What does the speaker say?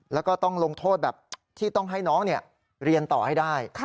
แล้วก็ต้องลงโทษแบบที่ต้องให้น้องเรียนต่อให้ได้